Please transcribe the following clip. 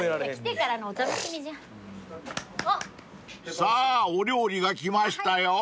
［さぁお料理が来ましたよ。